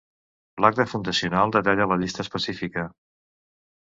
L'acta fundacional detalla la llista específica.